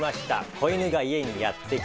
「子犬が家にやってきた！」。